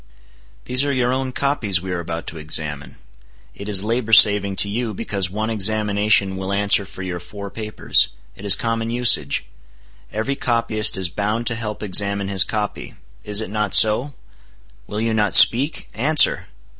"These are your own copies we are about to examine. It is labor saving to you, because one examination will answer for your four papers. It is common usage. Every copyist is bound to help examine his copy. Is it not so? Will you not speak? Answer!"